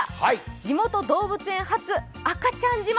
地元動物園発、赤ちゃん自慢。